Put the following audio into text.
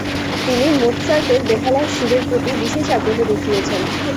তিনি মোৎসার্টের বেহালার সুরের প্রতি বিশেষ আগ্রহ দেখিয়েছেন।